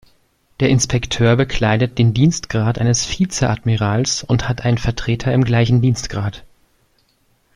Der Inspekteur bekleidet den Dienstgrad eines Vizeadmirals und hat einen Vertreter im gleichen Dienstgrad.